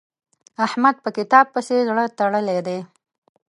احمد په کتاب پسې زړه تړلی دی.